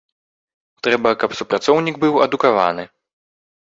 Трэба, каб супрацоўнік быў адукаваны.